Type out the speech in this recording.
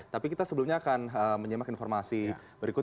tapi kita sebelumnya akan menyimak informasi berikut